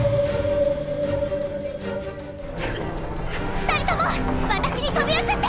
２人とも私に飛び移って！！